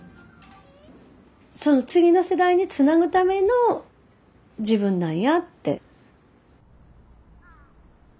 その次の世代につなぐための自分なんやって。